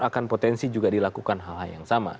akan potensi juga dilakukan hal hal yang sama